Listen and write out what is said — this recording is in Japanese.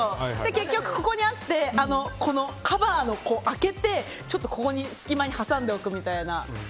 結局、ここにあってカバーを開けてちょっと隙間に挟んでおくみたいな。